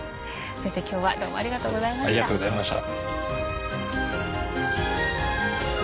先生今日はどうもありがとうございました。